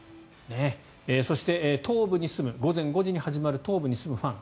そして、午前５時に始まる東部に住むファン。